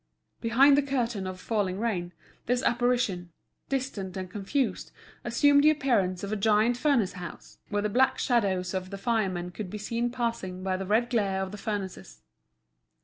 Behind the curtain of falling rain, this apparition, distant and confused, assumed the appearance of a giant furnace house, where the black shadows of the firemen could be seen passing by the red glare of the furnaces.